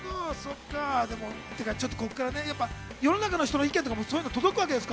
ここから世の中の人の意見とかも届くわけですか？